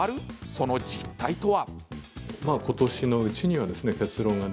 その実態とは。